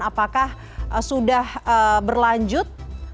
apakah sudah berlanjut